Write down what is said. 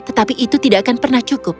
tetapi itu tidak akan pernah cukup